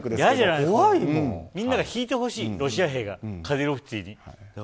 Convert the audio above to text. みんなが引いてほしいロシア兵が、カディロフツィに。